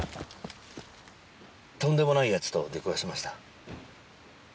とんでもないやつと出くわしました。